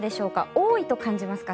多いと感じますか？